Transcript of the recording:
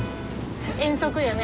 遠足よね。